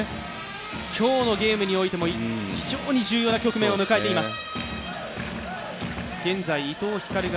今日のゲームにおいても非常に重要な局面を迎えています。